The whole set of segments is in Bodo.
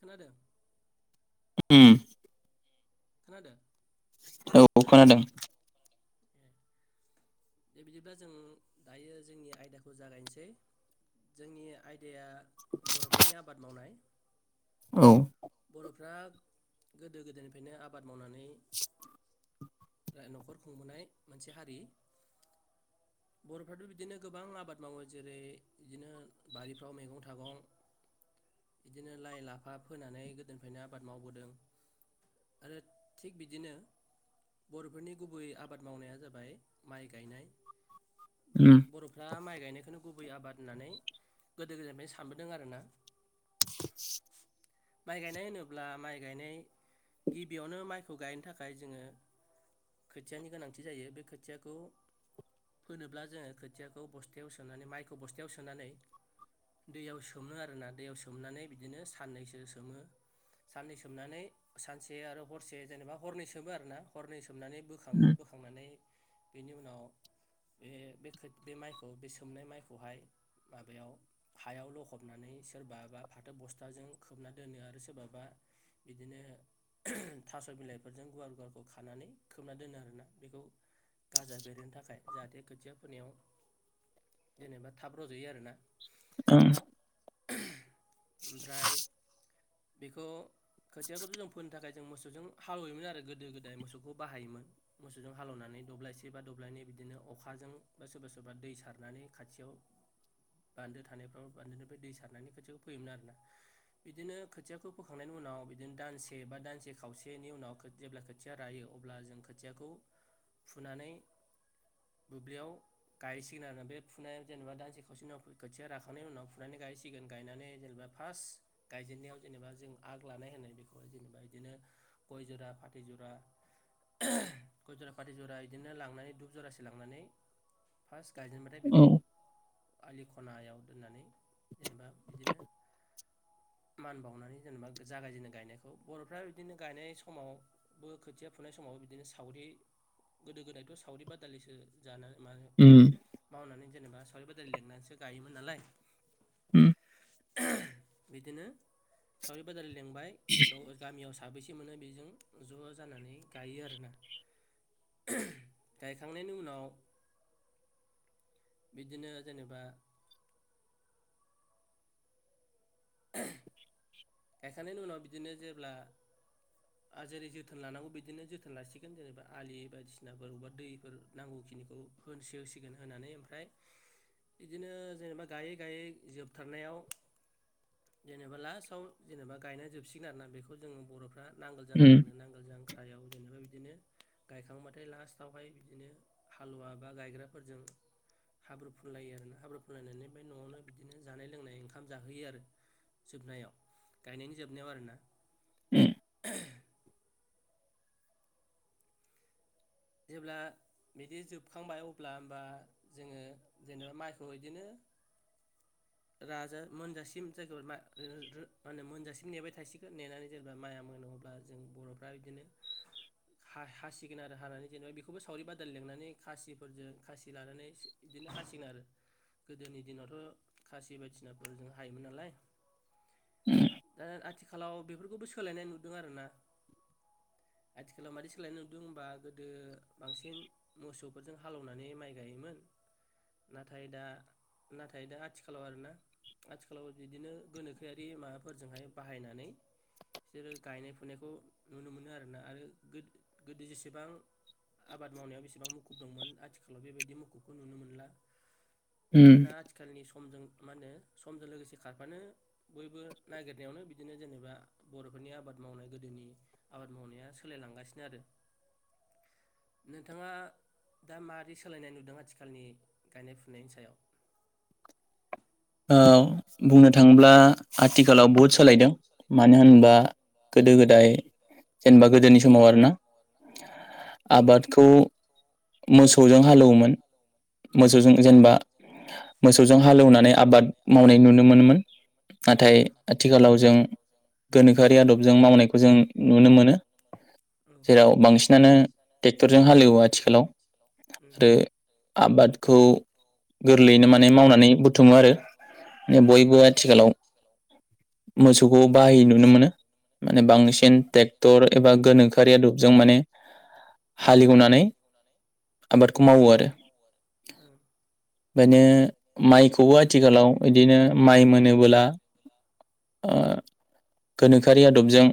खोनादों उम खोनादों औ खोनादों। दे बिदिब्लाा जों दायो जोंनि आयदाखौ जागायनोसै जोंनि आयदाया बर'फोरनि आबाद मावनाय। औ बर'फ्रा गोदो गोदायनिफ्रायनो आबाद मावनानै रा न'खर खुंबोनाय मोनसे हारि। बर'फ्राथ' बिदिनो गोबां आबाद मावो जेरै बिदिनो बारिफ्राव मैगं थागं बिदिनो लाइ लाफा फोनानै गोदोनिफ्रायनो आबाद मावबोदों आरो थिग बिदिनो बर'फोरनि गुबै आबाद मावनाया जाबाय माइ गायनाय। बरि उम बर'फ्रा माइ गायनायखौनो गुबै आबाद होननानै गोदो गोदायनिफ्रायनो सानबोदों आरोना माइ गाइनाय होनोब्ला माइ गायनाइ गिबियावनो माइखौ गायनो थाखाय जोङो खोथियानि गोनांथि जायो बे खो खोथियाखौ फोनोब्ला जोङो खोथियाखौ बस्थायाव सोनानै माइखौ बस्थायाव सोनानै दैयाव सोमो आरोना दैयाव सोमनानै बिदिनो साननैसो सोमो साननै सोमनानै सानसे आरो हरसे जेनेबा हरनै सोमो आरोना हरनै सोमनानै बोखाङो उम बोखांनानै बेनि उनाव बे खो बे माइखौ बे सोमनाय माइखौहाय माबायाव हायाव लखबनानै सोरबाबा फाथो बस्थाजों खोबना दोनो आरो सोरबाबा बिदिनो थास' बिलाइफोरजों गुवार गुवारखौ खानानै खोबना दोनो आरोना बेखौ गाजा बेरहोनो थाखाय जाहाथे खोथिया फोनायाव जेनेबा थाब रज'यो आरोना। औ उम ओमफ्राय बेखौ खोथियाखौथ' जों फोनो थाखाय जों मोसौजों हालौयोमोन आरो गोदो गोदाय मोसौखौ बाहायोमोन मोसौजों हालौनानै दब्लायसे बा दब्लायनै बिदिनो अखाजों बा सोरबा सोरबा दै सारनानै खाथियाव बान्दो थानायफ्राव बान्दोनिफ्राय दै सारनानै खोथियाखौ फोयोमोन आरोना बिदिनो खोथियाखौ फोखांनायनि उनाव बिदिनो दानसे बा दानसे खावसेनि उनाव खोथ जेब्ला खोथिया रायो अब्ला जों खोथियाखौ फुनानै दुब्लियाव गायहैसिगोन आरो बे फुनायाव जेनेबा दानसे खावसे उनाव खोथिया राखांनायनि उनाव फुनानै गायहैसिगोन गायनानै जेनेबा फार्स्ट गायजेनन्नायाव जेनेबा जों आग लानाय होननाय बेखौहाय जेनेबा बिदिनो गय जरा फाथै जरा गय जरा फाथै जरा इदिनो लांनानै दुब जरासे लांनानै फार्स्ट गायजेनबाथाय बेखौ उम आलि खनायाव दोननानै जेनेबा बिदिनो मान बावनानै जेनेबा जागायजेनो गायनायखौ बर'फ्रा बिदिनो गायनाय समावबो खोथिया फुनाय समाव बिदिनो सावरि गोदो गोदायथ' सावरि बादालिसो जाना उम मावनानै जेनेबा सावरि बादालि लेंनानैसो गायोमोन नालाय बिदिनो सावरि बादालि लेंबाय उनाव गामियाव साबैसे मोनो बेजों ज' जानानै गायो आरोना। गायखांनायनि उनाव बिदिनो जेनेबा [unintelligible] गायखांनायनि उनाव बिदिनो जेब्ला ओ जेरै जोथोन लानांगौ बिदिनो जोथोन लासिगोन जेनेबा आलि बायदिसिनाफोर बबेबा दैफोर नांगौखिनिखौ होनसो होसिगोन होनानै ओमफ्राय बिदिनो जेनेबा गायै गायै जोबथारनायाव जेनेबा लास्टआव जेनेबा गायना जोबसिगोन आरोना बेखौ जों बर'फ्रा नांगोल जांख्रा उम होनो नांगोल जांख्रा [unintelligible] जेनेबा बिदिनो गायखांबाथाय लास्टावहाय बिदिनो हालुवा बा गायग्राफोरजों हाब्रु फुनलायो आरना हाब्रु फुनलायनानै बे न'आवनो बिदिनो जानाय लोंनाय ओंखाम जाहोयो आरो जोबनायाव। गायनायनि जोबनायाव आरोना। उम जेब्ला बिदि जोबखांबाय अब्ला होमबा जोङो जेनेबा माइखौ बिदिनो राजा मोनजासिम जायफोर मोनजासिम नेबाय थासिगोन नेनानै जेनेबा माइआ मोनो अब्ला जों बर'फ्रा बिदिनो हासिगोन आरो हानानै जेनेबा बेखौबो सावरि बादा लिनानै खासिफोरजों खासि लानानै बिदिनो हासिगोन आरो गोदोनि दिनावथ' खासि बायदिनाफोरजों हायोमोन नालाय। दा आथि खालाव बेफोरखौबो सोलायनाय नुदों आर ना आथिखालाव मादि सोलायनाय नुदों होमबा [unintelligible] [unintelligible] बांसिन मोसौफोरजों हालेवनानै माइ गायोमोन नाथाय दा नाथाय दा आथिखालाव आरोना आथिखालाव बिदिनो गोनोखोआरि माबाफोरजोंहाय बाहायनानै बिसोरो गायनाय फुनायखौ नुनो मोनो आरोना आरो गो-गोदो जेसेबां आबाद मावनायाव बेसेबां मुखुब दंमोन आथिखालाव बेबायदि मुखुबखौ नुनो मोनला। उम मानोना आथिखालनि समजों मा होनो समजों लोगोसे खारफानो बयबो नागिरनायावनो बिदिनो जेनेबा बर'फोरनि आबाद मावनाय गोदोनि आबाद मावनाया सोलायलांगासिनो आरो। नोंथाङा दा मारै सोलायनाय नुदों आथिखालनि गायनाय फुनायनि सायाव? ओ बुंनो थाङोब्ला आथिखालाव बुहुद सोलायदों मानो होनबा गोदो गोदाय जेनेबा गोदोनि समाव आरोना औ आबादखौ मोसौजों हालौवोमोन उम मोसौजों जेनेबा मोसौजों हालेवनानै आबाद मावनाय नुनो मोनोमोन नाथाय आथिखालाव जों गोनोखोआरि आदबजों मावनायखौ जों नुनो मोनो जेराव बांसिनानो ट्रेक्टरजों हालएवो आथिखालाव आरो आबादखौ गोरलैयैनो माने मावनानै बुथुुमो आरो माने बयबो आथिखालाव मोसौखौ बाहायै नुनो मोनो माने बांसिन ट्रेक्टर एबा गोनोखोआरि आदबजों माने हालेवनानै आबादखौ मावो आरो बेनो माइखौ खौबो आथिखालाव बिदिनो माइ मोनोबोला ओ गोनोखोआरि आदबजों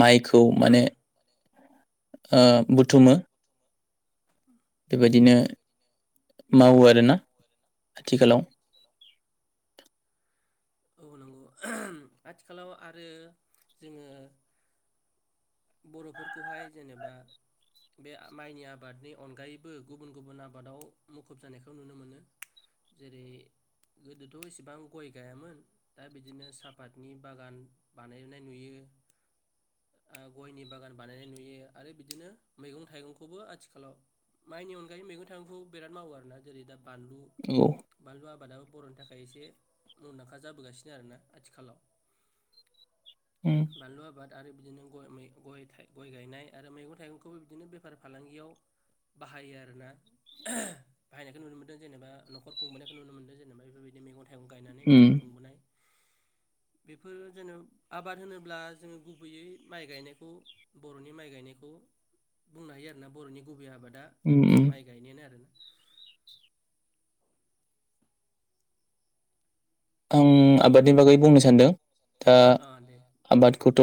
माइखौ माने ओ बुथुमो। बेबादिनो मावो आरोना आथिखालाव [unintelligible] आथिखालाव आरो जोङो बर'फोरखौहाय जेनेबा बे माइनि आबादनि अनगायैबो गुबुन गुबुन आबादाव मुखुब जानायखौ नुनो मोनो जेरै गोदोथ' इसेबां गय गायामोन दा बिदिनो साहापातनि बागान बानायनाय नुयो। आ गयनि बागान बानायनाय नुयो आरो बिदिनो मैगं- थाइगंखौबो आथिखालाव माइनि अनगायै मैगं थाइगंखौ बिराद मावो आरोना जेरै दा बानलु औ बानलु आ आबादाबो बर'नि थाखाय एसे मुंदांखा जाबोगासिनो आरोना आथिखालाव। उम बानलु आबाद। आरो बिदिनो। गय मै गर गायनाय आरो मैगं थाइगंखौबो बिदिनो बेफार फालांगियाव बाहायो आरोना बाहायनायखौ नुनो मोनदों जेनेबा न'खर खुंबोनायखौ नुनो मोनदों जेनेबा बेफोरबायदि मैगं थाइगं। गायनानै ओम। न'खर खुंबोनाय बेफोर जेन' आबाद होनोब्ला जोङो गुबैयै। माइ गायनायखौ बर'नि माइ गायनायखौ बुंनो हायो आरोना बर'नि गुबै आबाद। दा उम उम माइ गायनायानो आरोना। आं आबादनि बागै बुंनो सानदों। दा अ दे आबादखौ। थ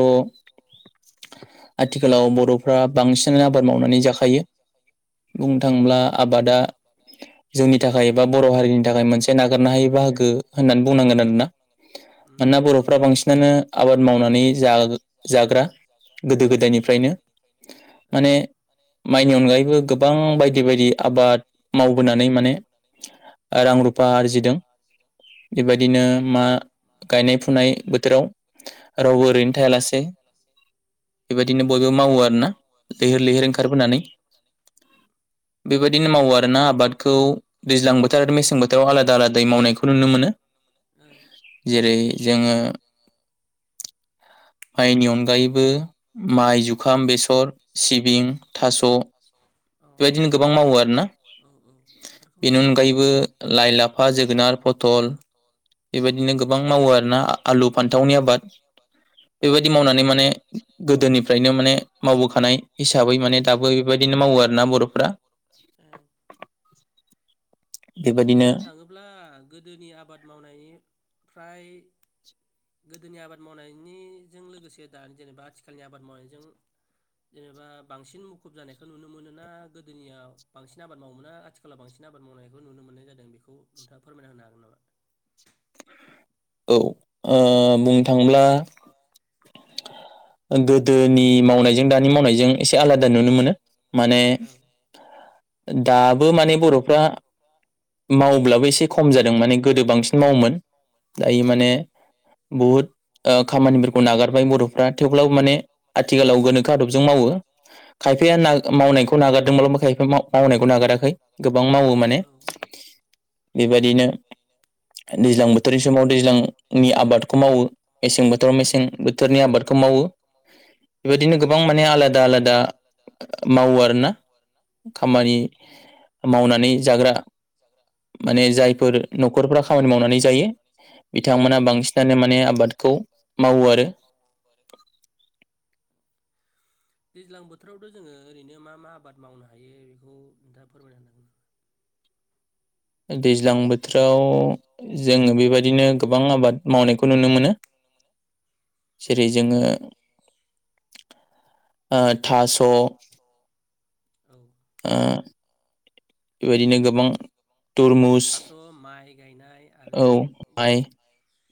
आथिखालाव बर'फ्रा बांसिन। आबाद मावनानै जाखायो बुंनो ओं थाङोब्ला आबादा जोंनि थाखाय एबा बर' हारिनि थाखाय मोनसे नागारनो हायै बाहागो। होननानै बुंनांगोन आनोना उम मानोना उम बर'फ्रा बांसिनानो आबाद मावनानै जाग-जाग्रा गोदो गोदायनिफ्रायनो औ माने रावबो माइनि अनगायैबो गोबां बायदि बायदि आबाद मावबोनानै माने रां रुफा आरजिदों बेबादिनो मा गायनाय फुनाय बोथोराव रावबो ओरैनो थायालासे बेबादिनो बयबो मावो आरोना लैहोर लैहोर ओंखारबोनानै बेबाद नो मावो आरोना आबादखौ दैज्लां बोथोर आरो मेसें बोथोराव आलादा आलादायै मावनायखौ नुनो मोनो जेरै जोङो माइनि अनगायैबो माइ जुखाम बेसर सिबिं थास' औ बेबायदिनो गोबां मावो आरोना बेबायदिनो गोबां मावो आरो औ औ बेफोरखौ बेनि मावनायखौ नुनो अनगायैबो मोनो बेनि अनगायैबो लाइ लाफा जोगोनार फथ [unintelligible] बेबायदिनो गोबां मावो आरोना आलु फान्थावनि आबाद बेबायदि ओं मावनानै माने गोदोनि फ्रायनो माने मावबोखानाय हिसाबै माने दाबो बेबायदिनो मावो आरोना बर'फ्रा बेबायदिनो बुंनो थाङोब्ला गोदोनि आबाद मावनायनि ओमफ्राय गोदोनि आबाद मावनायनिजों लोगोसे दानि जेनेबा आथिखालनि आबाद मावनायजों जेनेबा बांसिन मुखुब जानायखौ नुनो मोनोना गोदोनिया बांसिन आबाद मावोमोना आथिखालाव बांसिन आबाद मावनाय नुनो मोन्नाय जादों बेखौ नोंथाङा फोरमायना होनो हागोन नामा औ ओ बुंनो थाङोब्ला ओ गोदोनि मावनायजों दानि मावनायजों एसे आलादा नुनो मोनो माने हागोन दाबो माने बर'फ्रा मावब्लाबो एसे खम जादों माने गोदो बांसिन मावोमोन दायो माने बहुद खामानिफोरखौ नागारबाय बर'फ्रा थेवब्लाबो माने आथिखालाव गोनोखो आदबजों मावो खायफाया ना नामा? मावनायखौ नागारदोंब्लाब्लाबो खायफाया मावनायखौ नागाराखै गोबां मावो माने बेबायदिनो दैज्लां बोथोरनि समाव दैज्लांनि आबादखौ मावो मेसें बोथोराव मेसें बोथोरनि आबा खम मावो बेबायदिनो गोबां माने आलादा आलादा मावो आरोना खामानि मावो मावनानै जाग्रा मानि जाय फोर नखरफ्रा खामानि मावनानै जायो बिथांमोना बांसिनानो माने आबादखौ मावो आरो। दैज्लां बोथोरावथ' जोङो ओरैनो मा मा आबाद मावनो हायो बेखौ नोंथाङा फोरमायनो होनो हागोन नामा। दैज्लां बोथोराव जोङो बेबादिनो गोबां आबाद मावनायखौ खौ नुनो मोनो। जेरै जोङो ओ थास'। औ। आ बेबादिनो गोबां तरमुस थास' माइ गायनाय आरो औ माइ बिदिनो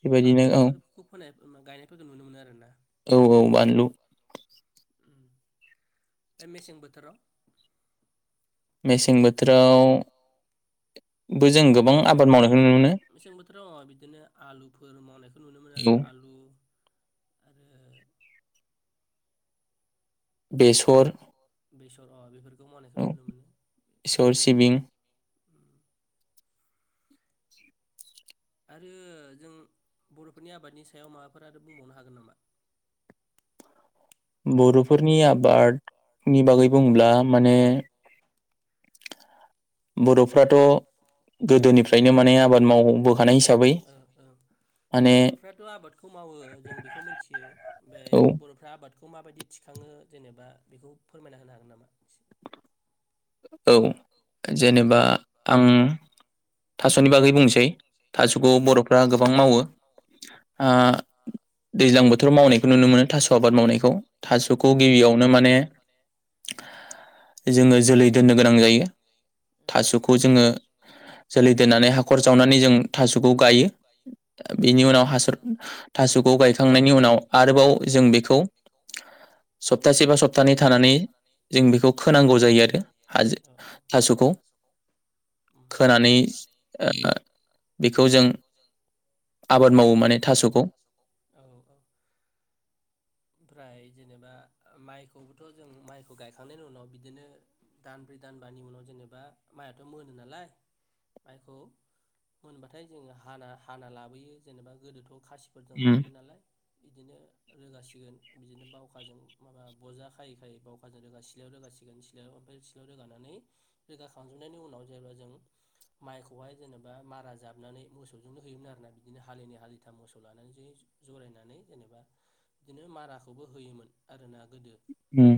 बेबायदिनो औ बानलुफोरखौ फोनाय गायनायफोरखो नुनो मोनो आरो ना। औ औ बानलु ए मेसें बोथोराव मेसें बोथोरावबो जों गोबां आबाद मावनो। मेसें बोथोराव बिदिनो आलुफोर मावनायखौ नुनो मोनो औ आरो आलु आरो। बेसर। बेसर अ बेफोर। मावनायखौ औ नुनो मोनो। बेसर सिबिं उम आरो जों बर'फोरनि आबादनि सायाव माबाफोर आरो बुंबावनो हागोन नामा। बर'फोरनि आबादनि बागै बुङोब्ला माने बर'फ्राथ' गोदोनिफ्रायनो माने आबाद। मावबोखानाय हिसाबै माने बर'फ्राथ' आबादखौ मावो जों बेखौ मिथियो औ ओमफ्राय बर'फ्रा आबाद। बेखौ माबायदि थिखाङो जेनेबा बेखौ फोरमायना होनो हागोन नामा। औ जेनेबा आं थास'नि बागै बुंसै। औ थासखौ बर'फ्रा गोबां मावो। ओ दैज्लां बोथोराव मावनायखौ नुनो मोनो थास' आबाद मावनायखौ। थास'खौ औ गिबियावनो माने जोङो जोलै दोननो गोनां जायो। थास'खौ जोङो जोलै दोननानै हाखर जावनानै जों थास'खौ गायो औ बेनि उनाव हासार थास'खौ गायखांनायनि उनाव आरोबाव जों बेखौ सप्तासे बा सप्तानै थानानै जों बेखौ खोनांगौ जायो आरो। हाजो औ औ थास उम, [inaudible] खोनानै ओ बेखौ जों आबाद मावो माने थास'खौ। औ ओमफ्राय जेनेबा माइखौबोथ' जों माइखौ गायखांनायनि उनाव बिदिनो दानब्रै दानबानि उनाव जेनेबा। माइआथ' मोनो नालाय माइखौ मोनबाथाय जोङो हाना हाना लाबोयो जेनेबा गोदोथ'। खासिफोरजों उम हायोमोन नालाय बिदिनो रोगासिनो बिदिनो बावखाजों माबा बजा खायै खायै बावखाजों रोगा सिलायाव रोगासिगोन सिलायाव ओमफ्राय सिलायाव रोगानानै रोगाखांजोबनायनि उनाव जेनेबा जों माइखौहाय जेनेबा मारा जाबनानै मोसौजोंनो होयोमोन आरोना बिदिनो हालिनै हालिथाम मोसौ लानानैसो जरायनानै जेनेबा बिदिनो माराखौबो होयोमोन आरोना गोदो ओम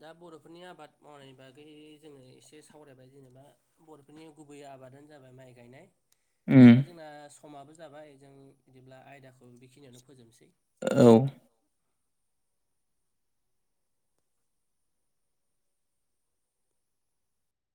दा बर'फोरनि आबाद मावनायनि बागै जोङो एसे सावरायबाय जेनेबा बर'फोरनि गुबै आबादानो जाबाय माइ गायनाय उम दा जोंना समाबो जाबाय जों बिदिब्ला आयदाखौ बेखिनियावनो फोजोबनोसै औ